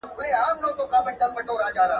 موږ باید تر لسو بجو پوري بېدېدلي وای.